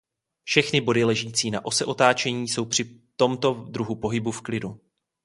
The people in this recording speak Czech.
Všechny body ležící na ose otáčení jsou při tomto druhu pohybu v klidu.